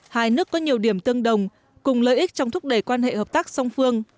hai nước có nhiều điểm tương đồng cùng lợi ích trong thúc đẩy quan hệ hợp tác song phương